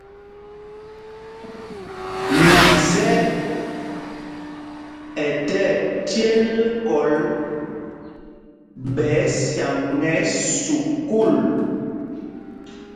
Lisɛt ɛ tí ɛcěl kɔl ɓɛ ɛsyaŋ ɛ́ sukûl.